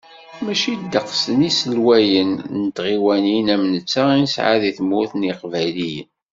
Mačči ddeqs n yiselwayen n tɣiwanin am netta i nesɛa deg Tmurt n Yiqbayliyen.